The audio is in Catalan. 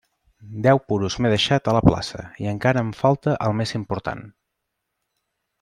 Deu duros m'he deixat a la plaça, i encara em falta el més important.